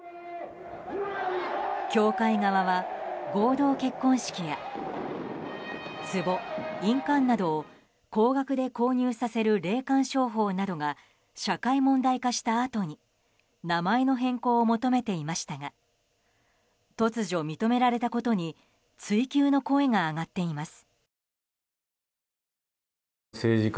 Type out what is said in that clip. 教会側は合同結婚式やつぼ、印鑑などを高額で購入させる霊感商法などが社会問題化したあとに名前の変更を求めていましたが突如、認められたことに追及の声が上がっています。